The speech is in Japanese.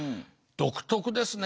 独特ですね。